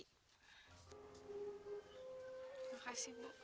terima kasih bu